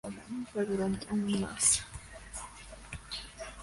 No obstante, su carrera periodística perduró aún más.